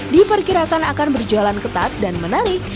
diperkirakan akan berjalan ketat dan menarik